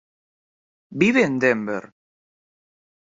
Vive en Denver.